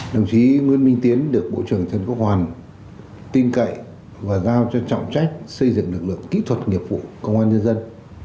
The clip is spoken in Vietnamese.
đồng chí nguyễn minh tiến được bộ trưởng trần quốc hoàn tin cậy và giao cho trọng trách xây dựng lực lượng kỹ thuật nghiệp vụ công an nhân dân